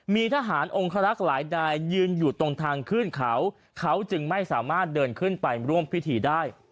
มีทหารองคารักษ์หลายนายยืนอยู่ตรงทางขึ้นเขาเขาจึงไม่สามารถเดินขึ้นไปร่วมพิธีได้